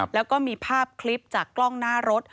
แล้วก็มีภาพคลิปจากกล้องหน้ารถ